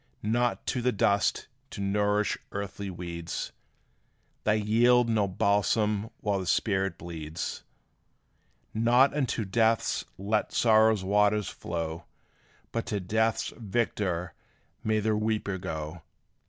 Not to the dust to nourish earthly weeds: They yield no balsam while the spirit bleeds! Not unto death let sorrow's waters flow, But to death's victor may the weeper go!